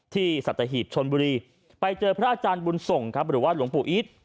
สัตหีบชนบุรีไปเจอพระอาจารย์บุญส่งครับหรือว่าหลวงปู่อีท